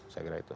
saya kira itu